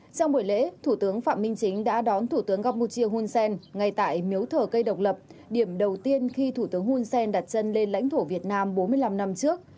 trong buổi lễ thủ tướng phạm minh chính đã đón thủ tướng campuchia hun sen ngay tại miếu thờ cây độc lập điểm đầu tiên khi thủ tướng hun sen đặt chân lên lãnh thổ việt nam bốn mươi năm năm trước